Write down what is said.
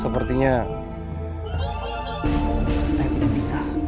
sepertinya saya tidak bisa